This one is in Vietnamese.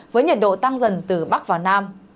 với nhiệt độ tăng dần từ bắc vào nam